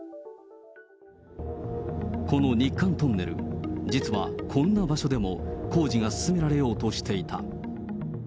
この日韓トンネル、実はこんな場所でも工事が進められようとしていた。